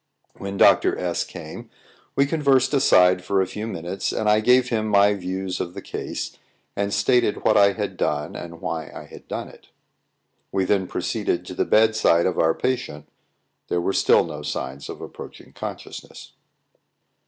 When Dr. S came, we conversed aside for a few minutes, and I gave him my views of the case, and stated what I had done and why I had done it. We then proceeded to the bedside of our patient; there were still no signs of approaching consciousness.